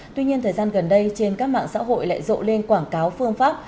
tuy nhiên thời gian gần đây trên các mạng xã hội lại rộ lên quảng cáo phương pháp